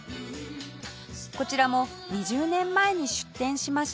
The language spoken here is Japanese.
こちらも２０年前に出店しました